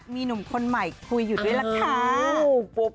มีหนุ่มคนใหม่คุยอยู่ด้วยล่ะค่ะ